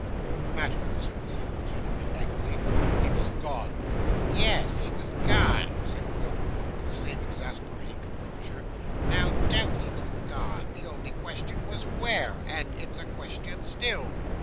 'No matter,' said the single gentleman angrily. 'He was gone.' 'Yes, he was gone,' said Quilp, with the same exasperating composure. 'No doubt he was gone. The only question was, where. And it's a question still.